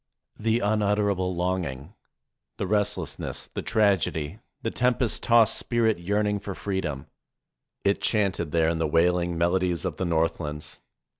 The unutterable longing, the restlessness, the tragedy, the tempest tossed spirit yearn ing for freedom; it chanted there in the wailing melo dies of the Northlands.